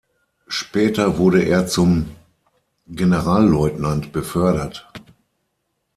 Später wurde er zum Generalleutnant befördert.